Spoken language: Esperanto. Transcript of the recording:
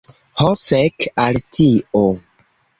Ho fek al tio.